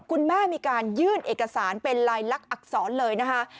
คุณแม่มีการยื่นเอกสารเป็นลายลักษณอักษรเลยนะคะ